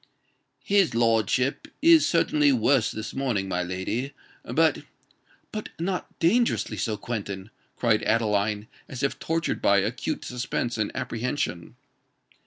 "His lordship is certainly worse this morning, my lady: but——" "But not dangerously so, Quentin?" cried Adeline, as if tortured by acute suspense and apprehension.